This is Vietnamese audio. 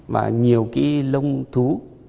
và nhiều cái lông thú